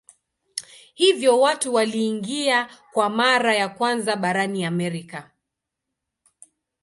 Hivyo watu waliingia kwa mara ya kwanza barani Amerika.